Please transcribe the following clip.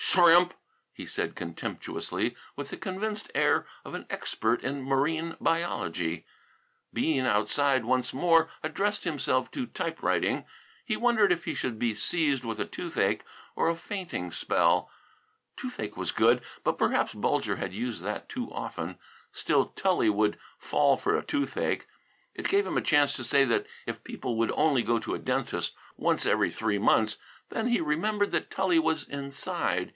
"Shrimp!" he said contemptuously, with the convinced air of an expert in marine biology. Bean, outside, once more addressed himself to typewriting. He wondered if he should be seized with a toothache or a fainting spell. Toothache was good, but perhaps Bulger had used that too often. Still Tully would "fall" for a toothache. It gave him a chance to say that if people would only go to a dentist once every three months Then he remembered that Tully was inside.